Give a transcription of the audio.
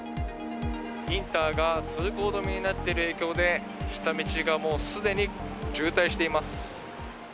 インターが通行止めになっている影響で下道がすでに渋滞しています。